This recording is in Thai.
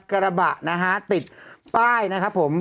กระบะนะฮะติดป้ายนะครับผม